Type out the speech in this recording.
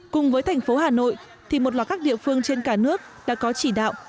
cùng với thành phố hà nội thì một loạt các địa phương trên cả nước đã có chỉ đạo